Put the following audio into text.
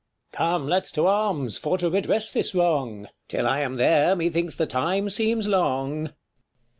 Come, let's to arms for to redress this wrong : 260 jTill I am there, methinks the time seems long.